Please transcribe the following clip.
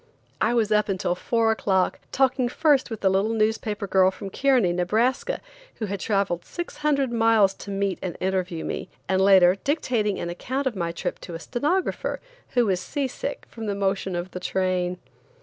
I was up until four o'clock, talking first with a little newspaper girl from Kearney, Nebraska, who had traveled six hundred miles to meet and interview me, and later dictating an account of my trip to a stenographer, who was sea sick from the motion of the train.